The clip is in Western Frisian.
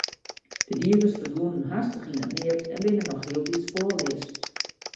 De dieders ferdwûnen hastich yn it neat en binne noch hieltyd spoarleas.